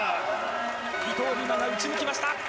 伊藤美誠が打ち抜きました。